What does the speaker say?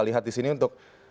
lihat disini untuk